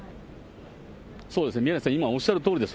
そうですね、宮根さんおっしゃるとおりです。